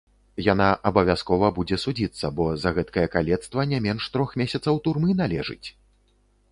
Яна абавязкова будзе судзіцца, бо за гэткае калецтва не менш трох месяцаў турмы належыць!